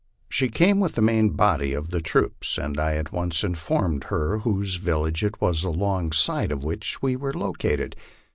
She came with the main body of the troops, and I at once informed her whose village it was alongside of which we were located.